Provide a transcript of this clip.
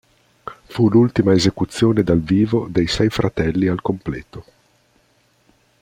Fu l'ultima esecuzione dal vivo dei sei fratelli al completo.